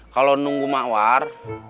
kalau nunggu mawar